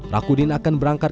rakudin akan berangkat